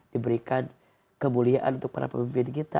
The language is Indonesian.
diberikan kemuliaan untuk para pemimpin kita